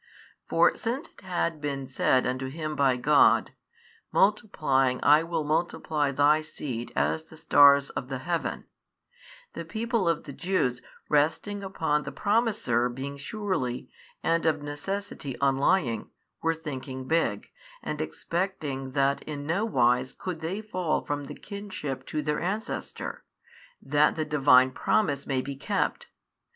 For since it had been said unto him by God, Multiplying I will multiply thy seed as the stars of the heaven, the people of the Jews resting upon the Promiser being surely and of necessity unlying, were thinking big, and expecting that in no wise could they fall from the kinship to their ancestor, that the Divine Promise may be kept.